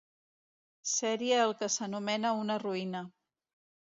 Serie el que s'anomena una ruïna.